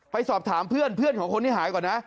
ไปสอบถามเพื่อนของคนที่หายก่อนนะ